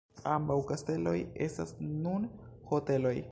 Ambaŭ kasteloj estas nun hoteloj.